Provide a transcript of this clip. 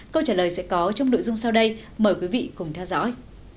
câu trả lời sẽ có trong nội dung sau đây mời quý vị cùng theo dõi